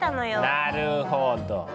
なるほど。